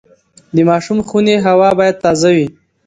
د ماشوم خونې هوا باید تازه وي۔